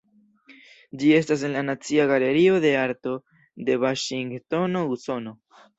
Ĝi estas en la Nacia Galerio de Arto de Vaŝingtono, Usono.